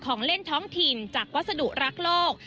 ของเล่นท้องถิ่นจากวัสดุรักโลก